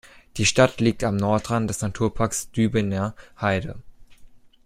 Die Stadt liegt am Nordrand des Naturparks Dübener Heide.